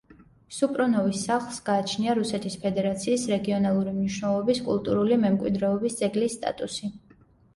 სუპრუნოვის სახლს გააჩნია რუსეთის ფედერაციის რეგიონალური მნიშვნელობის კულტურული მემკვიდრეობის ძეგლის სტატუსი.